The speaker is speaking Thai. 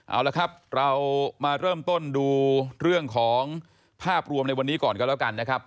เอาละครับเรามาเริ่มต้นดูเรื่องของภาพรวมในวันนี้ก่อนกันแล้วกันนะครับ